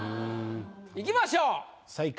いきましょう。